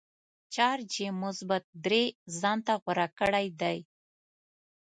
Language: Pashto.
چارج یې مثبت درې ځانته غوره کړی دی.